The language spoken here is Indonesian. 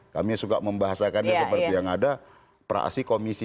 kami suka membahasakannya seperti yang ada praasi komisi tiga